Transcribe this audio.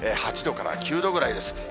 ８度から９度ぐらいです。